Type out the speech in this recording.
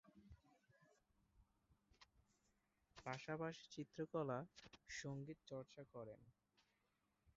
পাশাপাশি চিত্রকলা, সঙ্গীত চর্চা করেন।